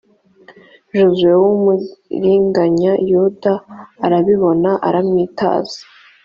josuwe w’ umuriganya yuda arabibona aramwitaza